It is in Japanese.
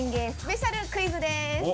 スペシャルクイズです。